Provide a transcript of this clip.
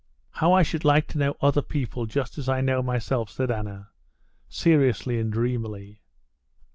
"How I should like to know other people just as I know myself!" said Anna, seriously and dreamily.